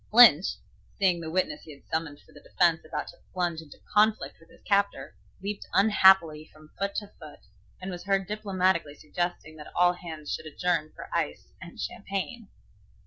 Lynch, seeing the witness he had summoned for the defence about to plunge into conflict with his captor, leaped unhappily from foot to foot, and was heard diplomatically suggesting that all hands should adjourn for ice and champagne.